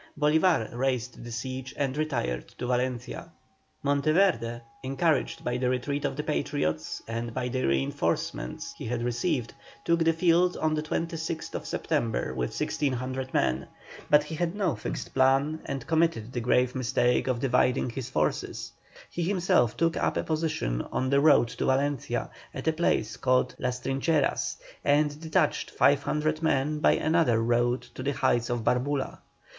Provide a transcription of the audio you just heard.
Bolívar raised the siege and retired to Valencia. Monteverde, encouraged by the retreat of the Patriots and by the reinforcement he had received, took the field on the 26th September with 1,600 men. But he had no fixed plan and committed the grave mistake of dividing his force. He himself took up a position on the road to Valencia at a place called Las Trincheras, and detached 500 men by another road to the heights of Barbula.